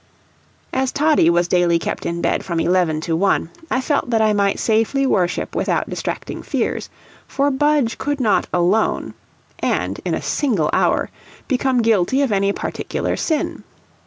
As Toddie was daily kept in bed from eleven to one, I felt that I might safely worship without distracting fears, for Budge could not alone, and in a single hour, become guilty of any particular sin.